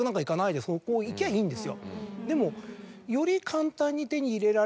でも。